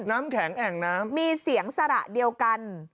น้ำแข็งแอ่งน้ำมีเสียงสระเดียวกัน